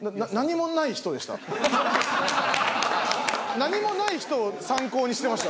何もない人を参考にしてました。